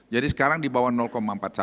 jadi sekarang di bawah empat puluh satu